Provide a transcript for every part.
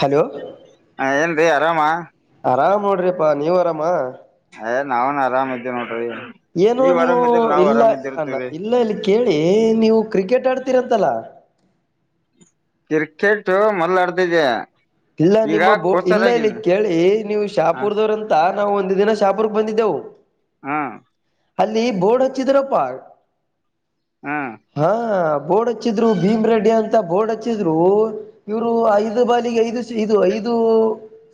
Hello ಎ ಆರಾಮಾ. ಆರಾಮ್ ನೋಡ್ರಿಪ್ಪಾ ನೀವ್ ಅರಾಮಾ. ಏ ನಾವೇನ್ ಆರಾಮ ಇದೀವಿ ನೋಡ್ ಏನೋ ನೀವು ಇಲ್ಲ ಅಣ್ ಇದಿರ್ತೀವ್ರಿ ಇಲ್ಲ ಇಲ್ಲಿ ಕೇಳಿ ನೀವು ಕ್ರಿಕೆಟ್ ಆಡ್ ತಿರಂತಲ್ಲ ಕಿರ್ಕೆಟು ಮೊದಲಾಡ್ತಿದೆ. ಇಲ್ಲ ನಿಮ್ಮ ಬೋ ಇಲ್ಲ ಇಲ್ಲಿ ಕೇಳಿ ನೀವು ಹ ಶಾಪುರ್ದವ್ರಂತಾ. ನಾವು ಒಂದು ದಿನ ಶಾಪೂರ್ ಬಂದಿದ್ದೆವು ಹಾ ಅಲ್ಲಿ ಬೋರ್ಡ್ ಹಚ್ಚಿದ್ರಪ್ಪಾ. ಹ ಹಾ ಬೋರ್ಡ್ ಹಚ್ಚಿದ್ರು ಭೀಮ ರೆಡ್ಡಿ ಅಂತ ಬೋರ್ಡ್ ಹಚ್ಚಿದ್ರು ಇವ್ರು ಐದು ಬಾಲಿಗೆ ಐದು ಇದು ಐದು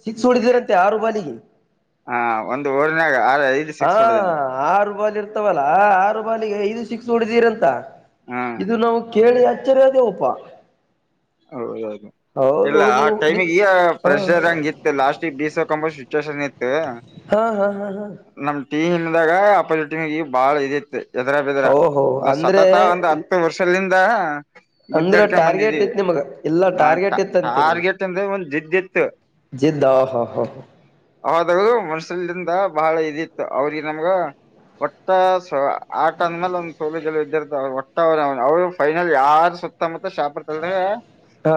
ಸಿಕ್ಸ್ ಹೊಡಿದಿರಂತೆ ಆರು ಬಾಲಿಗೆ ಹ ಒಂದ್ ಓವರ್ನಾಗ ಆರ್ ಐದು ಹಾ ಸಿಕ್ಸ್ ಹೊಡದೇನಿ ಆರು ಬಾಲ ಇರ್ ರ್ತವಲ್ಲಾ ಆರು ಬಾಲಿಗೆ ಐದು ಸಿಕ್ಸ ಹೊಡಿದೀರಂತಾ. ಹ ಇದು ನಾವು ಕೇಳ ತರುವದು ಹೂಪಾ ಹೌದೌದು ಇಲ್ಲಾ ಆ ನಿ ಟೈಮಿಗೆ ಈ ಹ ಪ್ರೆಷರ್ ಹಂಗ ಇತ್ತು ಲಾಸ್ಟಿಗೆ ಬೀಸೋಕಂಬಶಿ ಸ್ಟೆಷನ್ ಇತ್ತ ಹಾ ಹಾ ಹಾ ಹಾ ನಮ್ ಟೀ ಹಿಮ್ದಾಗ ಅಪಿಡಟೀಮ ಈ ಬಾಳ ಇದಿತ್ತ್. ಎದ್ರಾ ಬಿದ್ರಾ ಓಹೋ ಇದು ಅಂದ್ರೆ ಸತತ ಒಂದು ಹತ್ತು ವರ್ಷಿಲಿಂ ತಾ ಅಂದ್ರ ಟಾರ್ಗೆಟ್ ಇತ್ ನಿಮಗ. ಇಲ್ಲ ಆ ಟಾ ಟಾರ್ಗೆಟ್ ಟಾ ಇತ್ತ ಅಂತೀನಿ ಟಾರ್ಗೆಟ್ ಅಂದ್ರೆ ಒಂದು ಜಿದ್ದಿತ್ತ ಜಿದ್ದ ಹ ಹ ಅವದು ಮನ್ಸಲಿಂದ ಬಹ ಇದಿತ್ತು ಅವ್ರಿಗೆ ನಮ್ಗ ಒಟ್ಟ ಸ್ ಆಟ ಅಂದ್ಮೇಲೆ ಒಂದ್ ಸೋಲು ಗೆಲುವು ಇದ್ದೆ ಇರ್ತ ಒಟ್ಟ ಅವರು ಫೈನಲ್ ಯಾರ ಸುತ್ತ ಮುತ್ತ ಶಾಪರ್ತಲ್ದ ಹಾ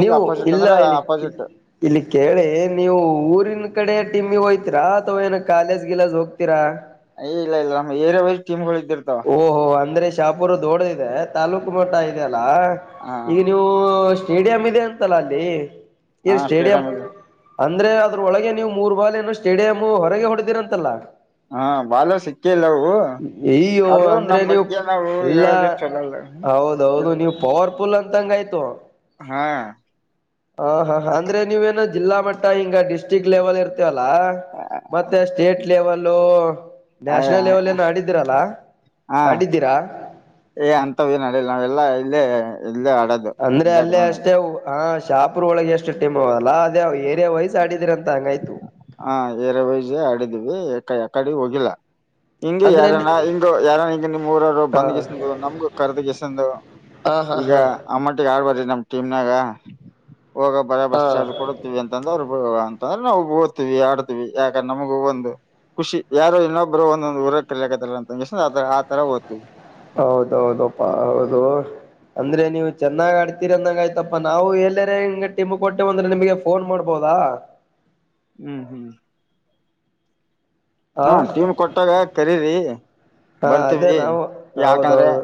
ನೀವು ಇಲ್ಲ ಅಂದ್ರ ಇಲ್ಲಿ ಅಪೋಸಿಟ್ ಇಲ್ಲಿ ಕೇಳಿ ನೀವು ಊರಿನ ಕಡೆ ಟೀಮಿಗ್ ಹೋಯ ತಿರಾ ಅಥವಾ ಏನ್ ಕಾಲೇಜ್ ಗಿಲೇಜ್ ಹೋಗ್ತೀರಾ. ಎ ಇಲ್ಲಾ ಇಲ್ಲಾ ನಮ್ ಏರಿಯಾ ವೈಸ್ ಟೀಮ್ಗಳಿಗ್ ಓಹೋ ಅಂದ್ರೆ ಶಾಪುರ ದೊಡದಿದೆ ತಾಲೂಕ ಮಟ್ಟ ಇದೆ ಅಲ್ಲಾ ಹ ಈಗ ನೀವು ಸ್ಟೇಡಿಯಂ ಇದೆ ಅಂತಲ್ಲ ಅಲ್ಲಿ ಹಾ ಸ್ಟೇಡಿಯಂ ಇದ ಅಂದ್ರೆ ಅದ್ರೊಳಗೆ ನೀವು ಮೂರ್ ಬಾಲ್ ಏನು ಸ್ಟೇಡಿಯಮ್ ಹೊರಗೆ ಹೊಡೆದೀರ ಅಂತಲ್ಲಾ. ಹಾ ಬಾಲ ಸಿಕ್ ಯಯ್ಯೋ ಅಂದ್ರೆ ನೀವು ಬಗ್ಗೆ ನಾವು ಇಲ್ಲಾ ಹೇಳೋದು ಚಲೋಲ್ಲ ಹೌದೌದು ಎಂತ ನೀವು ಪವರ್ಫುಲ್ ಅಂತಂಗ ತ್ತು. ಹಾ ಹಾ ಹಾ ಅಂದ್ರೆ ನೀವೇನು ಜಿಲ್ಲಾ ಮಟ್ಟ ಹಿಂಗ ಡಿಸ್ ಡಿಸ್ಟ್ರಿಕ್ಟ್ ಲೆವೆಲ್ ಇರ್ತಯಲ ಮತ್ತೆ ಸ್ಟೇಟ್ ಲೆವೆಲ್. ಹಲೋ. ಅಯ ನ್ಯಾಷನಲ್ ಹ ಆಡಿದ್ದೀರಾ ಏ ಅಂತವೇನ್ ಆಡಿಲ್ಲ ನಾವೆಲ್ಲಾ ಇಲ್ಲೇ. ಇಲ್ಲೇ ಆಡೋದು ಅಂದ್ರೆ ಇಲ್ಲೇ ಅಲ್ಲೇ ಗ್ರೌಂಡ್ ಅಷ್ಟೇ ಓ ಹ ಶಾಪುರ್ ಒಳಗೆ ಎಷ್ಟು ಟೀಮ್ ಅವಲ್ಲ ಅದೇ ಏರಿಯಾ ವೈಸ್. ಆಡಿದಿರ ಅಂತ ಹಂಗಾಯ್ತು ಹಾ ಏರಿಯಾ ವೈಜ ಆಡಿದ್ವಿ ಕ ಯಕಡು ಹೋಗಿಲ್ಲ. ಹಿಂಗೆ ಅಂದ್ರೆ ಯಾರಾನ ಹಿಂಗೊ ಯಾರ ಈಗ್ ನಿಮ್ ಊರರು ಹ ಬಂದ್ಗೆಸಿಂದು ನಮ್ಗು ಕರ್ದ ಗೇಸಿಂದು ಹಾ ಹಾ ಈಗ ಹಾ ಅಮ್ಮಟ್ಟಿಗೆ ಆಡ್ಬಾರ್ ನಮ್ ಟೀಮ್ನಾಗ. ಹೋಗ ಬರ ಹಾ ಬಸ್ ಚಾರ್ಜ್ ಕೊಡತೀವಿ ಅಂತಂದ್ರ [unintelligible] ತಂದ್ರೆ ನಾವು ಓಡ್ತಿವಿ ಆಡ್ತೀವಿ ಯಾಕ ನಮಗು ಒಂದು ಖುಷಿ ಯಾರೋ ಇನ್ನೊಬ್ರು ಒಂದೊಂದು ಊರ ಕಲೆಕತರಂದು ಶ್ನೆ ಆತರ ಓದ್ತಿವಿ. ಹೌದೌದಪ್ಪಾ ಹೌದು ಅಂದ್ರೆ ನೀವು ಚೆನ್ನಾಗ್ ಆಡ್ತೀರಿ ಅಂದಂಗ ಆಯ್ತಪ್ಪಾ ನಾವು ಎಲ್ಲರೆ ಹಿಂಗ ಟೀಮ್ ಕೊಟ್ಟೇ ಅಂದ್ರೆ ನಿಮಗೆ ಫೋನ್ ಮಾಡ್ಬೋದಾ. ಹ್ಮ್ ಹ್ಮ್. ಹ ಹಾ ಟೀಮ್ ಕೊಟ್ಟಾಗ ಕರಿರಿ ಹಾ ಅದೇ ಬರ್ತಿವಿ ನಾವು ಯಾಕಂದ್ರೆ. ಹೌದೌದು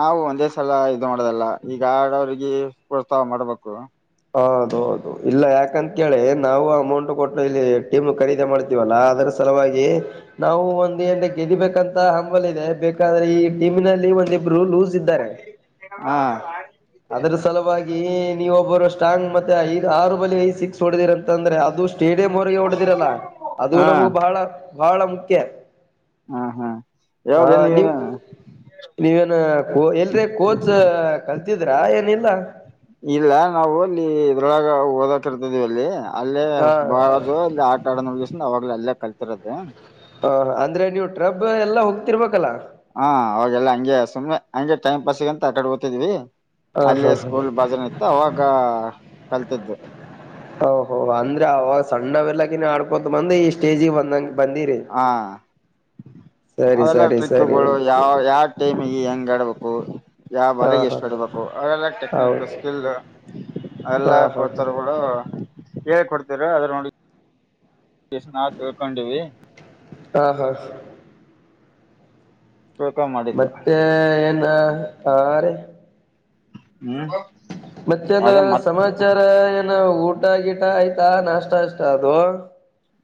ನಾವು ಒಂದೇ ಸಲ ಇದು ಮಾಡುದಲ್ಲ ಈಗ ಆಡೊವ್ರಿಗೆ ಪ್ರೋತ್ಸಾಹ ಮಾಡ್ಬೇಕು. ಹೌದು ಹೌದು ಇಲ್ಲ ಯಾಕಂತ ಕೇಳಿ ನಾವು ಅಮೌಂಟ್ ಕೊಟ್ಟು ಇಲ್ಲಿ ಟೀಮ್ ಖರೀದಿ ಮಾಡ್ತೀವಲ್ಲ ಅದ್ರ ಸಲುವಾಗಿ ನಾವು ಒಂದು ಎನ್ ಗೆದಿಬೇಕಂತ ಹಂಬಲ ಇದೆ ಬೇಕಾದ್ರೆ ಈ ಟೀಮಿನಲ್ಲಿ ಒಂದಿಬ್ರು ಲೂಸ್. ಇದ್ದಾರೆ ಹಾ ಅದರ ಸಲುವಾಗಿ. ಈ ನೀವು ಒಬ್ಬರಷ್ ಸ್ಟಾಂಗ್ ಮತ್ತೆ ಐದು ಆರು ಬಲಿ ಐದ್ ಸಿಕ್ಸ್ ಹೊಡದಿರ ಅಂತಂದ್ರೆ ಅದುಷ್ ಸ್ಟೇಡಿಯಂ ಹೊರಗೆ ಹೊಡೆದಿರಲ್ಲ ಅದು ಹಾ ನಮಗೆ ಬಹಳ. ಬಹಳ ಮುಖ್ಯ. ಹಾ ಹಾ ಹಾ ಯಾವಾಗ ನೀವ ನೀವ್ ನೀವೇನು ಎ ಎಲ್ರೆ ಕೋಚ್ ಕಲ್ ದಿದ್ರಾ ಏನಿಲ ಇಲ್ಲ ನಾವು. ಇಲ್ಲಿ ಇದರೊಳಾಗ ಓದಕ್ ಇರ್ತದಿವಿ ಅಲ್ಲಿ. ಅಲ್ಲೇ ಹ ಬಾಜು ಅಲ್ಲಿ ಆಟ ಆಡೋ ನೋಡ್ಕೆಸ್ ಆವಾಗ್ಲೇ ಅಲ್ಲಿ ಕಲ್ತಿರದು. ಹ ಅಂದ್ರೆ ನೀವು ಟ್ರಬ್ ಎಲ್ಲ ಹೋಗ್ತಿರ್ಬೇಕಲ್ಲಾ. ಹ ಅವಾಗೆಲ್ಲಾ ಹಂಗೆ ಸುಮ್ನೆ ಹಂಗೆ ಟೈಮ್ ಪಾಸಿಗಿ ಅಂತ ಆಕಡೆ ಓತಿದೀವಿ. ಹ ಅಲ್ಲೆ ಹಾ ಹಾ ಸ್ಕೂಲ್ ಬಾಜುನ ಇತ್ತು ಅವಾಗ ಕಲ್ತಿದ್ದು. ಓಹೋ ಅಂದ್ರೆ ಅವಾಗ ಸಣ್ಣವೆಲ್ಲಕಿನ್ ಆಡ್ಕೋತ ಬಂದ ಈ ಸ್ಟೇಜಿಗೆ ಬಂದಂಗ. ಬಂದಿರಿ ಹಾ ಸರಿ ಅವೆಲ್ಲ ಸರಿ ಸರಿ ಟ್ರಿಕ್ಗಳು ಓಕೆ ಯಾವ್ ಯಾವ ಟೀಮಿಗೆ ಹೆಂಗ್ ಆಡ್ಬೇಕು ಯಾವ ಹಾ ಬಲೆಗೆ ಹಾ ಎಷ್ಟು ಹೊಡಿಬೇಕು ಅವೆಲ್ಲ ಟೆಕ್ನಿಕ್ ಹೌದು ಸ್ಕಿಲ್ ಹಾ ಅವೆಲ್ಲಾ ಹಾ ಕೋಚರ್ಗಳು ಹೇಳ್ ಕೊಡ್ತೀರಾ ಅದು ನೋಡಿ ಇಸ್ನಾವು ತಿಳ್ಕೊಂಡಿವಿ ಹಾ ಹಾ ತಿಳ್ಕೊಂಡ್ ಮಾಡಿದ್ದು ಮತ್ತೆ ಏನ್ ಆ ರೆ ಹ್ಮ್ ಮತ್ತೆನ ಅದೇ ಮತ್ ಸಮಾಚಾರ ಏನ ಊ ಊಟ ಗಿಟ ಆಯ್ತಾ ನಾಷ್ಟ ಅಷ್ಟ ಅದು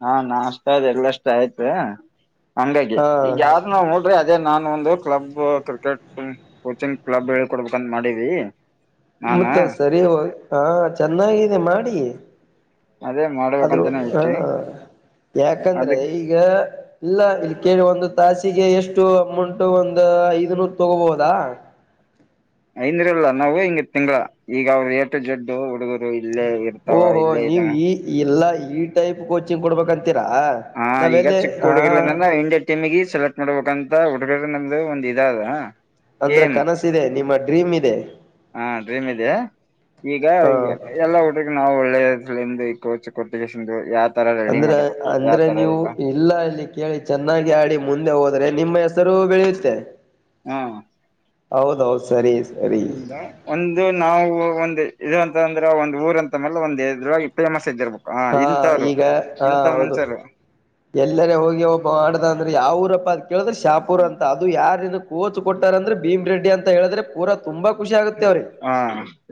ಹಾ ನಾಷ್ಟ ಅದೆಲ್ಲಷ್ಟ ಆಯ್ತ ಹಂಗಾಗಿ ಹಾ ಈಗ್ ಯಾರನ ಹೋದ್ರೆ ಅದೇ ನಾನ್ ಒಂದು ಕ್ಲಬ್ ಕ್ರಿಕೆಟ್ ಕೋಚಿಂಗ್ ಕ್ಲಬ್ ಹೇಳ್ಕೊಡ್ಬೇಕಂತ ಮಾಡಿವಿ ನಾನ ಮತ್ತ ಸರಿ ಹೊ ಹಾ ಚೆನ್ನಾಗಿದೆ ಮಾಡಿ ಅದೇ ಆದ್ರೂ ಮಾಡ್ಬೇಕಂತಾನೇ ಹ ಐತಿ ಯಾಕಂದ್ರೆ ಅದಕ್ ಈಗ ಇಲ್ಲ ಇಲ್ಲಿ ಕೇಳಿ ಒಂದು ತಾಸಿಗೆ ಎಷ್ಟು ಅಮೌಂಟ್ ಒಂದು ಐದನೂರ್ ತಗೋಬಹುದಾ ಐನೂರು ಇಲ್ಲ ನಾವು ಹಿಂಗ ತಿಂಗಳ ಈಗ ಅವರು ಎ ಟು ಜಡ್ಡು ಹುಡುಗರು ಇಲ್ಲೇ ಇರ್ತಾವ ಓಹೋ ಇಲ್ಲೇ ಇದ ನೀವು ಈ ಇಲ್ಲ ಈ ಟೈಪ್ ಕೋಚಿಂಗ್ ಕೊಡ್ಬೇಕಂತ ಹಾ ಈಗ ಚಿಕ್ಕ ಹುಡುಗರಲಿಂದ ಇಂಡಿಯ ಟೀಮಿಗೆ ಸೆಲೆಕ್ಟ್ ಮಾಡ್ಬೇಕಂತ ತ ಹುಡುಗರ್ದು ನಮ್ದು ಒಂದ್ ಇದಾದ ಅಂದ್ರ ಏಮ್ ಕನಸಿದೆ ನಿಮ್ಮ ಡ್ರೀಮ್ ಇದೆ ಅ ಡ್ರೀಮಿದೆ ಈಗ ಹ ಎಲ್ಲಾ ಹುಡಗುನ್ ನಾವು ಒಳ್ಳೆ ಕ್ಲೈಂಬೆಕು ಕೊಚ್ ಕೋಟೇಶನ್ಡು ಯಾರು ಅಂದ್ರೆ ಅಂದ್ರೆ ನೀವು ಇಲ್ಲ ಇಲ್ಲಿ ಕೇಳಿ ಚೆನ್ನಾಗಿ ಆಡಿ ಮುಂ ಸರೆ ನಿಮ್ಮ ಹೆಸರು ಬೆಳೆ ತ್ತೆ ಹಾ ಸರಿ ಸರಿ ಈಗ ಒಂದು ನಾವು ಒಂದು ಇದು ಅಂತ ಅಂದ್ರೆ ಒಂದು ಊರ್ ಅಂತ ಅಲ್ಲ ಒಂದ್ ಎದ್ರಾಗಿ ಫೇಮಸ್ ಇದ್ದಿರ್ಬು ಹಾ ಈಗ ಹಾ ಹೌದು ಎಲ್ಲರೆ ಹೋಗಿ ಒಬ್ಬ ಮಾಡ್ದಂದ್ರೆ ಯಾವುರಪ್ಪ ಕೇಳಿದ್ರೆ ಶಾಪುರ್ ಅಂತ ಅದು ಯಾರಿದು ಪೋಚ್ ಕೊಟ್ಟಾರಂದ್ರ ಭೀಮ್ ರೆಡ್ಡಿ ಅಂತ ಹೇಳದ್ರೆ ಪೂರ ತುಂಬಾ ಖುಷಿಯಾಗುತ್ತೆ ಹಾ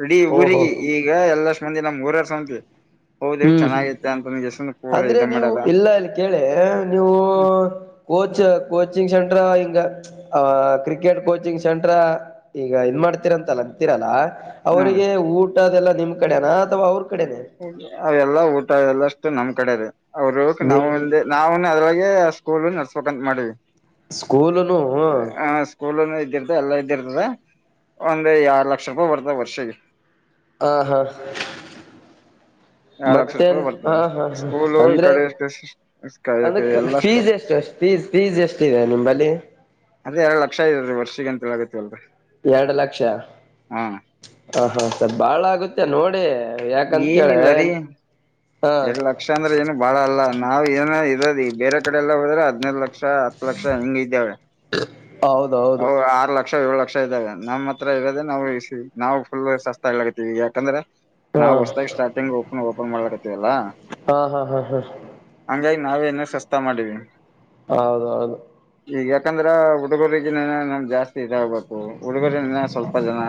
ಇಡೀ ಊರಿಗೆ ಈಗ ಎಲ್ಲಷ್ಟ್ ಮಂದಿ ನಮ್ ಊರರ್ ಸೌಂದು [inaudible] ಹೌದು ಹ್ಮ್ ಚೆನ್ನಾಗಿತ್ತ ಅಂದ್ಗೇಸ್ ಅಂದ್ರೆ ನೀವು ಇಲ್ಲ ಇಲ್ಲಿ ಕೇಳಿ ನೀವು ಕೋಚ್ ಕೋಚಿಂಗ್ ಸೆಂಟ್ರ ಹಿಂಗ್ ಆ ಕ್ರಿಕೆಟ್ ಕೋಚಿಂಗ್ ಸೆಂಟ್ರ ಈಗ ಇನ್ ಮಾಡ್ತಿರಂತಲ್ಲ ಅಂತೀರಲ್ಲ. [inaudible] ಹ್ಮ್ ಅವರಿಗೆ ಊಟ ಅದೆಲ್ಲ ನಿಮ್ ಕಡೆನಾ ಅಥವಾ ಅವ್ರ ಕಡೆನೆ ಅವೆಲ್ಲಾ ಊಟ ಎಲ್ಲ ನಮ್ ಕಡೆದೆ. ಅವ್ರುಕ್ ನಾವು ಒಂದೆ ನಾವುನು ಅದ್ರೊಳಗೆ ಸ್ಕೂಲ್ ನಡ್ಸ್ಬೇಕಂತ್ ಮಾಡಿವಿ. ಸ್ಕೂಲುನು ಎಲ್ಲ ಇದ್ದಿರ್ತದೆ ಒಂದ್ ಯಾಡ್ ಲಕ್ಷ ರೂಪಾಯಿ ಬರ್ತದೆ ವರ್ಷಿಗ್ ಹ ಹಾ ಎರಡ್ ಲಕ್ಷ ಮತ್ತೆ ರೂಪಾಯಿ ಹ ಬರ್ತದೆ ಹಾ ಹಾ ಸ್ಕೂಲು ಈ ಅಂದ್ರೆ ಕಡೆಷ್ಟ ಅದಕ್ಕೆ ಎಲ್ಲಷ್ಟು ಫೀಸ್ ಎಷ್ಟು ಫೀಸ್ ಫೀಸ್ ಎಷ್ಟಿದೆ ನಿಂಬಲ್ಲಿ ಅದೆ ಎರಡ್ ಲಕ್ಷ ಐತದ್ರಿ ವರ್ಷದಂತೆ. ತೇಳ ಕತಿವಲ್ರಿ ಎರಡ್ ಲಕ್ಷ ಹ ಹಾ ಸರ್ ಬಾಳ ಆಗುತ್ತೆ ನೋಡಿ ಯಾಕಂತ ಕೇಳೆ ಏನಿಲ್ಲರಿ ಹಾ ಎರಡ್ ಲಕ್ಷ ಅಂದ್ರೆ ಏನು ಬಾಳ ಅಲ್ಲ. ನಾವು ಏನ ಇರದು ಇ ಬೇರೆ ಕಡೆ ಎಲ್ಲ ಹೋದ್ರೆ ಹದ್ನೈದು ಲಕ್ಷ ಹತ್ತ್ ಲಕ್ಷ ಹಿಂಗ್ ಇದ್ದಾವೆ. ಹೌದೌದು. ಅವು ಆರ್ ಲಕ್ಷ ಏಳು ಲಕ್ಷ ಇದ್ದಾವೆ ನಮ್ಮ ಹತ್ರ ಇರೋದೆ ನಾವು ಇ ನಾವು ಫುಲ್ ಸಸ್ತಾ ಹೇಳಕತೀವಿ ಯಾಕಂದ್ರೆ ಹಾ ನಾವು ಹೊಸದಾಗಿ ಸ್ಟಾರ್ಟಿಂಗ್ ಓಪನ್ ಓಪನ್ ಮಾಡಲಕತ್ತೀವಿ. ತಿವಲ್ಲಾ ಹಾ ಹಾ ಹಾ ಹಾ ನಾವ್ ಎನಾ ಸಸ್ತಾ ಮಾಡಿವಿನಿ. ಹೌದು ಹೌದು ಈಗ ಯಾಕಂದ್ರ ಹುಡುಗರಿಗಿನ ನಮ್ ಜಾಸ್ತಿ ಇದ ಹಾಗ್ಬೇಕು. ಹುಡುಗೊರಿನ್ ಸ್ವಲ್ಪ ಜನ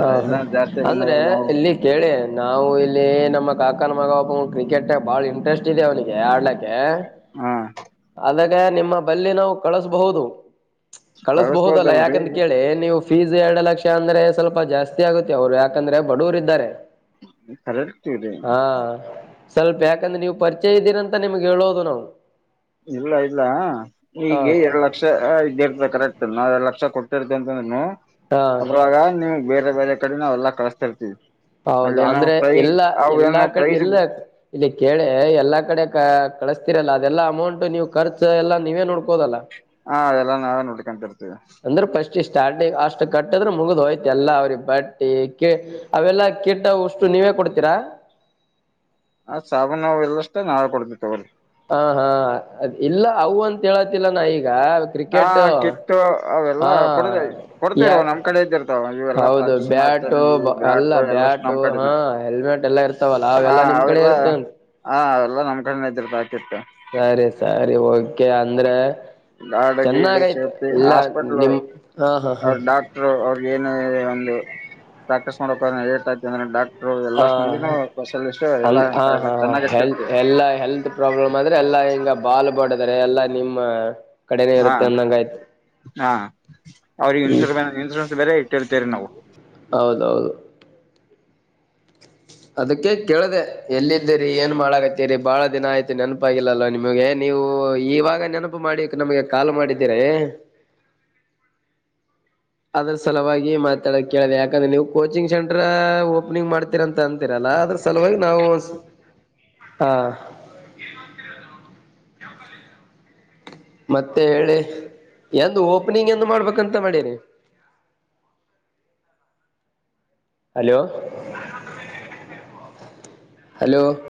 ಹಾ ಹಾ ಇನ್ನ ಜಾಸ್ತಿ ಅಂದ್ರೆ ಬಣ್ಣಾಗಲ್ಲ ನಾವು ಇಲ್ಲಿ ಕೇಳಿ ನಾವು ಇಲ್ಲಿ ನಮ್ಮ ಕಾಕನ ಮಗ ಒಬ್ಬವ್ನ್ ಕ್ರಿಕೆಟ್ ಬಹಳ್ ಇಂಟ್ರೆಸ್ಟ್ ಇದೆ ಅವ್ನಿಗೆ ಆಡ್ಲಕ್ ಎ ಹ ಅದಕ್ ಕ ನಿಮ್ಮ ಬಲ್ಲಿ ನಾವು ಕಳಸಬಹುದು. ಕಳಸ್ಬಹುದಲ್ಲಾ ಕಳಸ್ಬೋದಲ್ರಿ ಯಾಕಂತ ಕೇಳಿ ನೀವು ಫೀಸ್ ಎರಡ್ ಲಕ್ಷ ಅಂದ್ರೆ ಸ್ವಲ್ಪ ಜಾಸ್ತಿ ಆಗುತ್ತೆ ಅವ್ರು ಯಾಕಂದ್ರೆ ಬಡ್ವರ್ ಇದ್ದಾರೆ. [unintelligible] ಸ್ವಲ್ಪ ಯಾಕಂದ್ರೆ ನೀವ್ ಪರಿಚಯ ಇದ್ದೀರ ಅಂತ ನಿಮ್ಗೆ ಹೇಳೋದು ನಾವು. ಇಲ್ಲ ಇಲ್ಲ ಹಾ ಈಗೆ ಎರಡ್ ಲಕ್ಷ ಇದ್ದೇರ್ತ ಕರೆಕ್ ನಾವ್ ಎರಡು ಲಕ್ಷ ಕೊಟ್ಟಿರ್ತೇ ಅಂತಂದ್ರೂನು. ಹಾ ಅದ್ರಾಗ ನೀವು ಬೇರೆ ಬೇರೆ ಈ ಕಡೆ ನಾವೆಲ್ಲ ಕಳಸ್ತಾರ್ತಿವಿ. ಹೌದು ಅಂದ್ರೆ ಎಲ್ಲಾ ಎಲ್ಲಾ ಏನೋ ಕಡೆ ಪ್ರೈಜ್ ಎಲ್ಲ ಇಲ್ಲಿ ಕೇಳೆ ಎಲ್ಲಾ ಕಡೆ ಕ ಕಳಿಸ್ತಿರಲ್ಲ ಅದೆಲ್ಲ ಅಮೌಂಟ್ ನೀವು ಖರ್ಚು ಎಲ್ಲ ನೀವೇ ನೋಡ್ಕ ಹಾ ಅದೆಲ್ಲ ನಾವೆ ನ [unintelligible] ಅಂದ್ರೆ ಪಸ್ಟ್ ಇಷ್ಟ್ ಸ್ಟಾರ್ಟಿಂಗ್ ಅಷ್ಟು ಕಟ್ಟಿದ್ರೆ ಮುಗ್ದ್ ಹೋಯ್ತ ಎಲ್ಲ ಅವ್ರಿಗೆ ಬಟ್ಟಿ ಕೆ ಅವೆಲ್ಲಾ ಕಿಟ್ಟ ಒಷ್ಟು ನೀವೇ ಕೊಡ್ತೀರಾ. ಆ ಸಾಬೂನ್ ಅವು ಎಲ್ಲಷ್ಟೇ ನಾವೆ ಕೊಡ್ತಿವ್ ತಗೊರಿ. ಹ ಹಾ ಅ ಇಲ್ಲ ಅವು ಅಂತ್ ಹೇಳತಿಲ್ಲ ನಾ ಈಗ ಈಗ ಹಾ ಕ್ರಿಕೆಟ್ ಕಿಟ್ಟು ಅವೆಲ್ಲಾ ಹಾ ಕೊಡದ ಕೊಡ್ತಿರವ್ ಯಾಕ್ ನಮ್ ಕಡೆ ಇದ್ದಿರ್ತಾವ ಇವೆಲ್ಲಾ ಹೌದು ಪ್ರಾಕ್ಟೀಸ್ ಬ್ಯಾಟು ಮಾಡ್ತಾನ ಈ ಬ್ಯಾಟ್ ಅಲ್ಲ ಎಲ್ಲಷ್ಟು ನಮ್ ಬ್ಯಾಟು ಹಾ ಕಡೆನೆ ಹೆಲ್ಮೆಟ್ ಎಲ್ಲ ಇರ್ತವಲ್ಲ ಅವೆಲ್ಲಾ ನಿಮ್ ಕಡೆ ಇರುತ್ತೆನ್. ಎಲ್ಲ ನಮ್ಮ್ ಕಡೆ ಇದರ್ ಸರಿ ಸರಿ ಹೋಗ್ ಕೆ ಅಂದ್ರೆ ಗಾರ್ಡ್ ಗೀರ್ಡ್ ಚೆನ್ನಾಗೈತ್ ಸೇಫ್ಟಿ ಇಲ್ಲ ಹಾಸ್ಪಿಟ್ಲ್ ನಿಮ್ ಹಾ ಹಾ ಹಾ. [inaudible] ಏನು ಒಂದು ಪ್ರಾಕ್ಟೀಸ್ ಮಾಡಕ್ ಹೋದ್ನ್ಯ ಏಟ್ ಐತ್ ಅಂದ್ರೆ ಡಾಕ್ ಹ ಹ ಹಾ ಚೆನ್ನಾಗಿ ಹೆಲ್ತ್ ಇಟ್ಟಿರ್ತೀವಿ ಎಲ್ಲ ಹೆಲ್ತ್ ಪ್ರಾಬ್ಲಮ್ ಅಂದ್ರೆ ಎಲ್ಲಾ ಹಿಂಗ ಬಾಲ್ ಬಡದ್ ಆದ್ರೆ ಎಲ್ಲಾ ನಿಮ್ಮ್ ಹಾ ಹಾ ಅವ್ರಿಗೆ ಹ್ಮ್ ಇನ್ಸುರ್ ಬೇರ್ ಇನ್ಸೂರೆನ್ಸ್ ಬೇರೆ ಇಟ್ಟಿರ್ತೀರಿ ನಾವು. [inaudible] ಅದಕ್ಕೆ ಕೇಳ್ದ ಎಲ್ಲಿದ್ದೀರಿ ಏನ್ ಮಾಡಾಕತ್ತೇರಿ ಬಾಳ್ ದಿನ ಆಯ್ತು ನೆನಪಾಗಿಲ್ಲಲ್ಲ ನಿಮಗೆ ನೀವು ಈವಾಗ್ ನೆನಪು ಮಾಡಿಕ್ ನಮಗೆ ಕಾಲ್ ಮಾಡಿದ್ದೇರೆ. ಅದ್ರ ಸಲುವಾಗಿ ಮಾತಾಡಕ್ ಕೇಳಿದೆ ಯಾಕಂದ್ರೆ ನೀವು ಕೋಚಿಂಗ್ ಸೆಂಟರ್ ಓಪನಿಂಗ್ ಮಾಡ್ತೀರಂತ್ ಅಂತ ರಿಲ್ಲ ಅದ್ರ ಸಲುವಾಗಿ ನಾವು ಹಾ [inaudible] ಮತ್ತೆ ಹೇಳಿ ಎಂದ್ ಓಪನಿಂಗ್ ಎಂದ್ ಮಾಡ್ಬೇಕಂತ್ ಮಾಡೇರಿ. Hello hello. [inaudible]